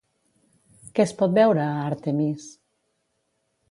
Què es pot veure a Àrtemis?